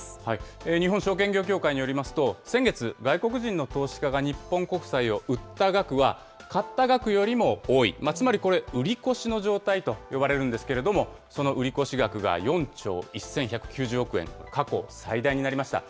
日本証券業協会によりますと、先月、外国人の投資家が日本国債を売った額は、買った額よりも多い、つまりこれ、売り越しの状態と呼ばれるんですけれども、その売り越し額が４兆１１９０億円、過去最大になりました。